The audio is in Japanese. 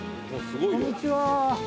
こんにちは。